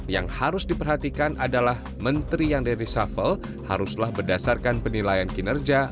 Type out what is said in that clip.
yang harus diperhatikan adalah menteri yang di reshuffle haruslah berdasarkan penilaian kinerja